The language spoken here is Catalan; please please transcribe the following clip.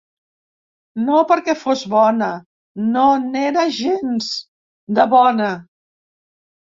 No perquè fos bona; no n’era gens, de bona.